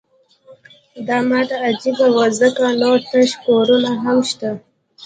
دا ماته عجیبه وه ځکه نور تش کورونه هم شته